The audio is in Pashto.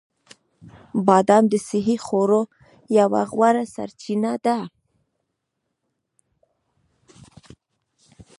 بادام د صحي خوړو یوه غوره سرچینه ده.